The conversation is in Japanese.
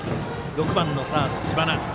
６番のサード知花。